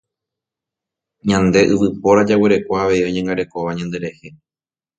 Ñande yvypóra jaguereko avei oñangarekóva ñanderehe.